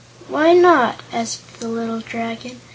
"Why not?" asked the little Dragon.